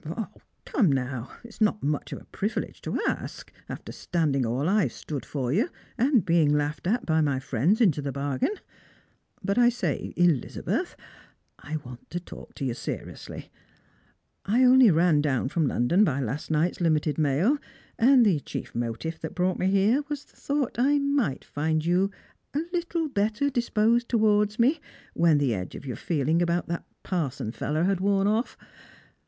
" O, come now. It's not much of a privilege to ask, after standing all I've stood for you, and being laughed at by my friends into the bargain. But I say, Elizabeth, I want to talk to you seriously. I only ran down from London by last night'a limited mail ; and the chief motive that brought me here waa the thought that I might find you a little better disposed towards me, when the edge of your feelings about that parson fellow had worn off.